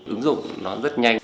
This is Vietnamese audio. ứng dụng nó rất nhanh